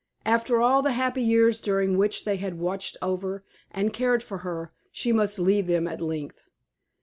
After all the happy years during which they had watched over and cared for her, she must leave them at length.